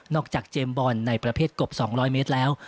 จากเจมส์บอลในประเภทกบ๒๐๐เมตรแล้ว